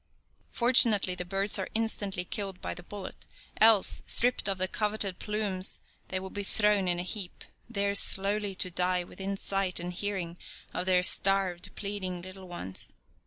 Fortunately the birds are instantly killed by the bullet, else, stripped of the coveted plumes they will be thrown in a heap, there slowly to die within sight and hearing of their starving, pleading little ones.